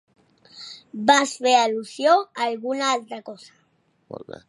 Vas fer al·lusió a alguna altra cosa.